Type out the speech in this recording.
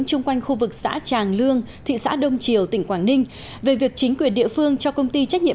chung quanh khu vực xã tràng lương thị xã đông triều tỉnh quảng ninh về việc chính quyền địa phương cho công ty trách nhiệm